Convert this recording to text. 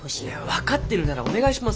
分かってるならお願いしますよ。